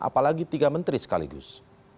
apalagi tiga menteri sekaligus